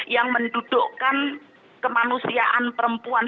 yang mendudukkan kemanusiaan perempuan